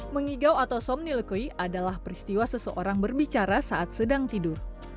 mengigau atau somni lekoy adalah peristiwa seseorang berbicara saat sedang tidur